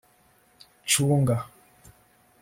Chunga